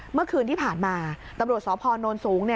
เมื่อคืนที่ผ่านมาตำรวจสพนสูงเนี่ย